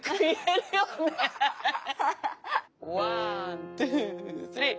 ワントゥースリー。